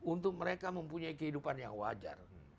untuk mereka mempunyai kehidupan yang wajar